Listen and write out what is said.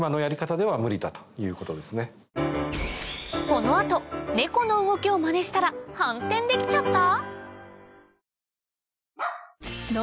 この後ネコの動きをマネしたら反転できちゃった？